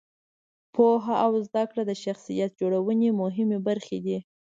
پوهه او زده کړه د شخصیت جوړونې مهمې برخې دي.